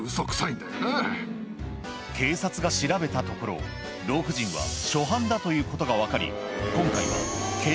警察が調べたところ老婦人は初犯だということが分かりはぁ